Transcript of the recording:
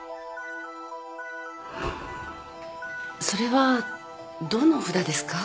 それはどの札ですか？